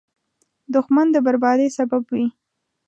دښمن د بربادۍ سبب وي